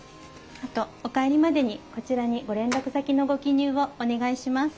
あとお帰りまでにこちらにご連絡先のご記入をお願いします。